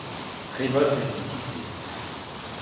Très bonne rusticité.